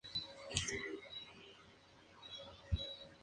Él usa capas especialmente diseñadas para permitirle hacer esto.